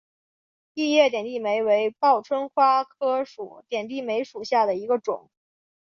异叶点地梅为报春花科点地梅属下的一个种。